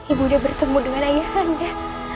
ibu nda bertemu dengan ayah nda